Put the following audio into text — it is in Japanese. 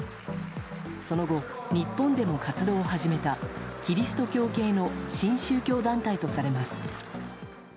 その後、日本でも活動を始めたキリスト教系の新宗教団体とされます。